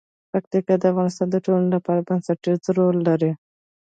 پکتیکا د افغانستان د ټولنې لپاره بنسټيز رول لري.